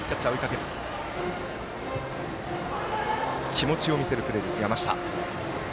気持ちを見せるプレー、山下。